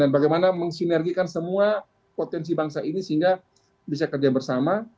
dan bagaimana mensinergikan semua potensi bangsa ini sehingga bisa kerja bersama